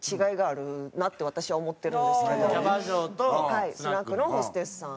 はいスナックのホステスさん。